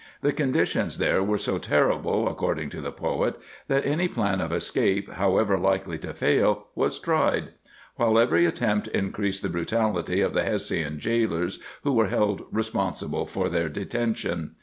The conditions there were so terrible, according to the poet, that any plan of escape, however likely to fail, was tried ; while every attempt in creased the brutality of the Hessian jailers who were held responsible for their detention.